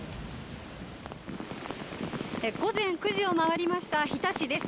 午前９時を回りました日田市です。